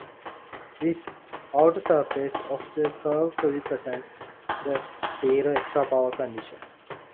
This outer surface of the curve represents the "zero-extra-power condition".